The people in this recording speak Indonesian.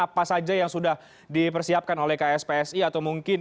apa saja yang sudah dipersiapkan oleh kspsi atau mungkin